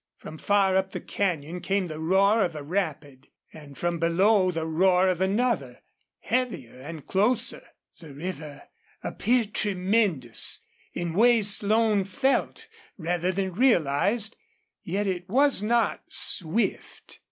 From far up the canyon came the roar of a rapid, and from below the roar of another, heavier and closer. The river appeared tremendous, in ways Slone felt rather than realized, yet it was not swift.